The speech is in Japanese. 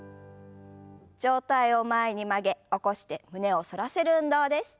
上体を前に曲げ起こして胸を反らせる運動です。